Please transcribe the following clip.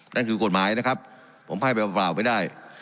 นั่นคือกฎหมายนะครับผมให้ไปเปล่าไม่ได้